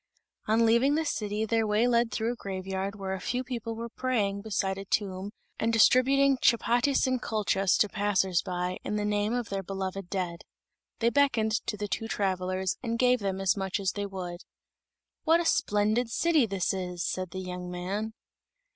On leaving the city their way led through a graveyard where a few people were praying beside a tomb and distributing chapatis and kulchas to passers by, in the name of their beloved dead. They beckoned to the two travelers and gave them as much as they would. "What a splendid city this is!" said the young man.